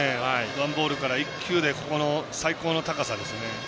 ワンボールから１球で最高の高さですね。